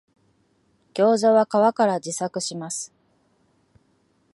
ギョウザは皮から自作します